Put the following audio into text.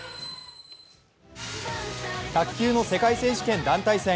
卓球の世界選手権・団体戦。